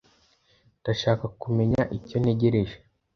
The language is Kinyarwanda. Ndashaka kumenya icyo ntegereje.